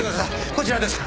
こちらです。